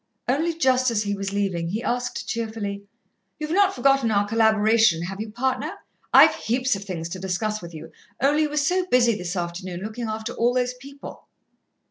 Only just as he was leaving, he asked cheerfully: "You've not forgotten our collaboration, have you, partner? I've heaps of things to discuss with you, only you were so busy this afternoon, looking after all those people."